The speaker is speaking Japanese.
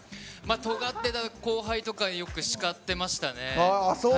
とがってた後輩とかよく叱ってましたね。